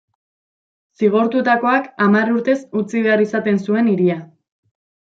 Zigortutakoak hamar urtez utzi behar izaten zuen hiria.